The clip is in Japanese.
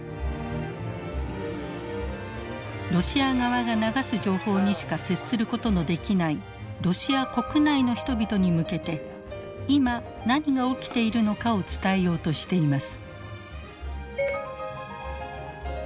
ロシア側が流す情報にしか接することのできないロシア国内の人々に向けて今何が起きているのかを伝えようとしています。